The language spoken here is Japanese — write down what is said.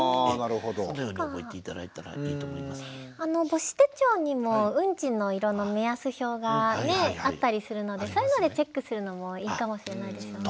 母子手帳にもウンチの色の目安表があったりするのでそういうのでチェックするのもいいかもしれないですよね。